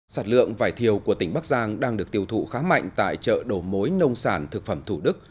sản lượng vải thiều của tỉnh bắc giang đang được tiêu thụ khá mạnh tại chợ đầu mối nông sản thực phẩm thủ đức